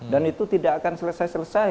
dan itu tidak akan selesai selesai